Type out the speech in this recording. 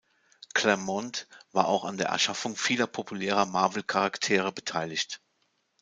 Claremont war auch an der Erschaffung vieler populärer Marvel-Charaktere beteiligt.